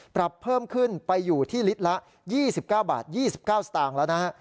ปรับเพิ่มขึ้นไปอยู่ที่ลิตรละ๒๙บาท๒๙สตางค์แล้วนะฮะ